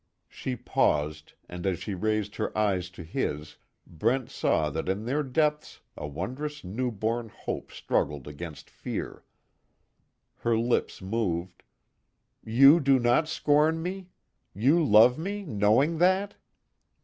She paused, and as she raised her eyes to his, Brent saw that in their depths a wondrous newborn hope struggled against fear. Her lips moved: "You do not scorn me? You love me knowing that?"